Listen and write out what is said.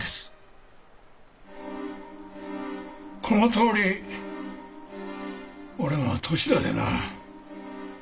このとおり俺も年だでな